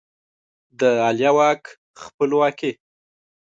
د عالیه واک خپلواکي